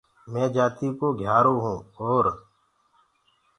مينٚ جآتيٚڪو گهيٚآرو هونٚ اور